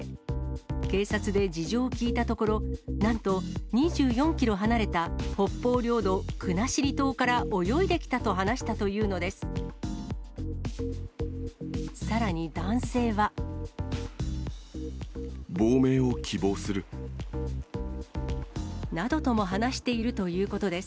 警察で事情を聴いたところ、なんと、２４キロ離れた北方領土・国後島から泳いできたと話したというのです。